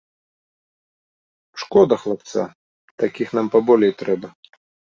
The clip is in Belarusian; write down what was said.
Шкода хлапца, такіх нам паболей трэба.